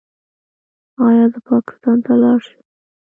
ایا زه پاکستان ته لاړ شم؟